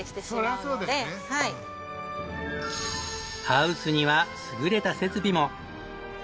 ハウスには優れた設備も。